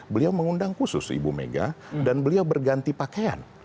beliau mengundang khusus ibu mega dan beliau berganti pakaian